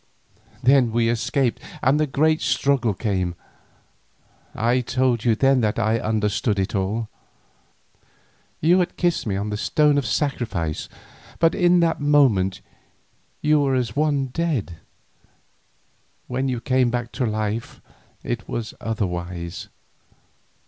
Then we escaped and the great struggle came. I told you then that I understood it all. You had kissed me on the stone of sacrifice, but in that moment you were as one dead; when you came back to life, it was otherwise.